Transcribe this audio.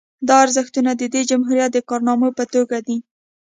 دا ارزښتونه د دې جمهوریت د کارنامو په توګه دي